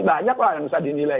banyaklah yang bisa dinilai